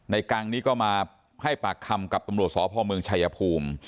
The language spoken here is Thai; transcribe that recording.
กังนี้ก็มาให้ปากคำกับตำรวจสพเมืองชายภูมิ